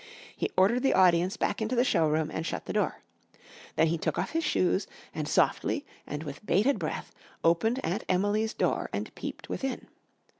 He ordered the audience back into the showroom and shut the door. Then he took off his shoes and softly and with bated breath opened Aunt Emily's door and peeped within.